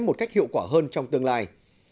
một cách hiệu quả hơn trong tương lai